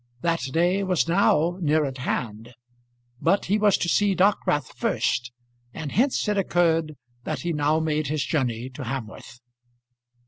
That day was now near at hand; but he was to see Dockwrath first, and hence it occurred that he now made his journey to Hamworth.